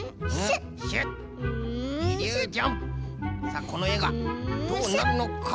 さあこのえがどうなるのか。